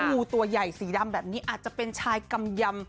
งูตัวใหญ่สีดำแบบนี้อาจจะเป็นชายกำยำ